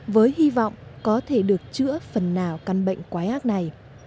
với hy vọng có thể được chữa phần nào căn bệnh quái ác này